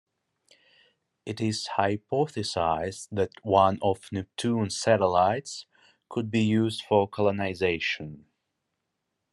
It is hypothesized that one of Neptune's satellites could be used for colonization.